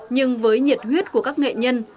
nhưng với nhiệt huyết của các nghệ nhân